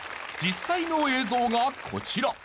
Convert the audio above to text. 実際の映像がこちら。